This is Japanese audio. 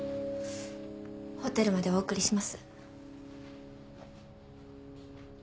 ホテルまでお送りします。